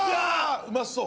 うまそう！